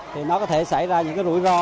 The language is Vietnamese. thì nó có thể xảy ra những rủi ro